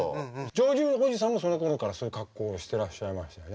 ジョージおじさんもそのころからそういう格好をしてらっしゃいましたね。